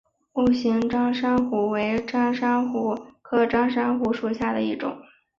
笏形蕈珊瑚为蕈珊瑚科蕈珊瑚属下的一个种。